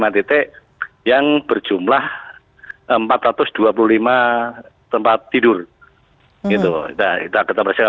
lima titik yang berjumlah empat ratus dua puluh lima tempat tidur